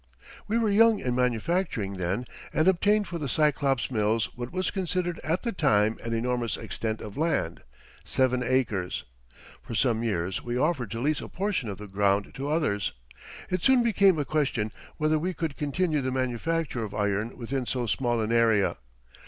We were young in manufacturing then and obtained for the Cyclops Mills what was considered at the time an enormous extent of land seven acres. For some years we offered to lease a portion of the ground to others. It soon became a question whether we could continue the manufacture of iron within so small an area.